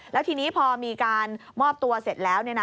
แล้วทีนี้พอมีการมอบตัวเสร็จแล้ว